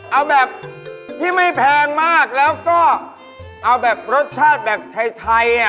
เอาแบบที่ไม่แพงมากแล้วก็เอาแบบรสชาติแบบไทยอ่ะ